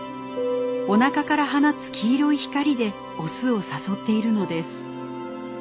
おなかから放つ黄色い光でオスを誘っているのです。